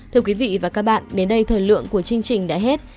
thưa quý vị và các bạn đến đây thời lượng của chương trình đã hết